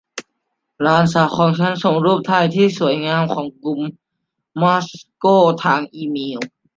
หลานสาวของฉันส่งรูปถ่ายที่สวยงามของกรุงมอสโกทางอีเมล